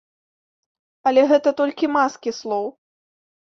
Але гэта толькі маскі слоў.